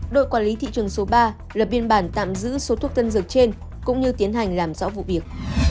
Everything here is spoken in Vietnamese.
đội quản lý thị trường số ba lập biên bản tạm giữ số thuốc tân dược trên cũng như tiến hành làm rõ vụ việc